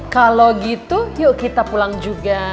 kalau gitu yuk kita pulang juga